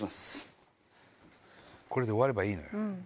これで終わればいいのよ。